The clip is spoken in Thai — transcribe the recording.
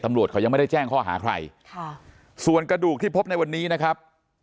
ตำรวจเขายังไม่ได้แจ้งข้อหาใครค่ะส่วนกระดูกที่พบในวันนี้นะครับ